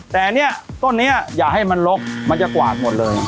แต่เนี่ยต้นนี้อย่าให้มันลกมันจะกวาดหมดเลย